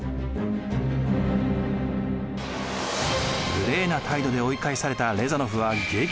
無礼な態度で追い返されたレザノフは激怒。